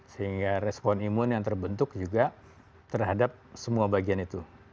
sehingga respon imun yang terbentuk juga terhadap semua bagian itu